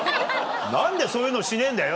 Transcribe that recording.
何でそういうのをしねえんだよ！